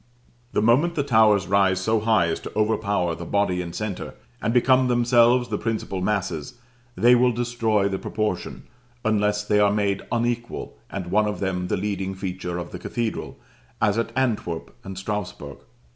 The moment the towers rise so high as to overpower the body and centre, and become themselves the principal masses, they will destroy the proportion, unless they are made unequal, and one of them the leading feature of the cathedral, as at Antwerp and Strasburg.